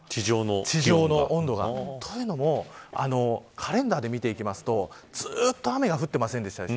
地上の温度が。というのもカレンダーで見ていくとずっと雨が降っていませんでしたよね。